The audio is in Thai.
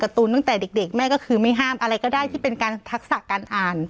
ตูนตั้งแต่เด็กแม่ก็คือไม่ห้ามอะไรก็ได้ที่เป็นการทักษะการอ่าน